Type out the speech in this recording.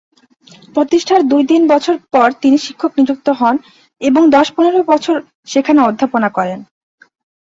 প্রতিষ্ঠার দুই/তিন বছর পর তিনি শিক্ষক নিযুক্ত হন এবং দশ/পনেরাে বছর সেখানে অধ্যাপনা করেন।